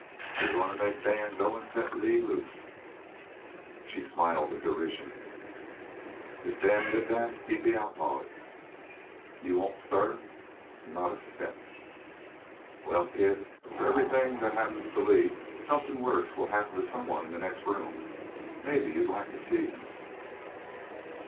You're goin' to make Dan go an' set Lee loose." She smiled in derision. "If Dan did that he'd be outlawed." "You won't stir?" "Not a step!" "Well, kid, for everything that happens to Lee somethin' worse will happen to someone in the next room. Maybe you'd like to see him?"